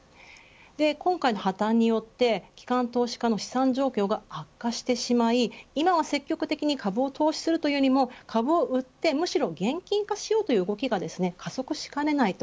今回の破綻によって機関投資家の資産状況が悪化してしまい今は積極的に株を投資するというよりも株を売ってむしろ現金化しようという動きが加速しかねないと。